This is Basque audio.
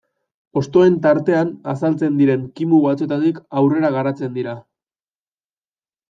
Hostoen tartean azaltzen diren kimu batzuetatik aurrera garatzen dira.